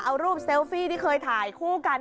เอารูปเซลฟี่ที่เคยถ่ายคู่กัน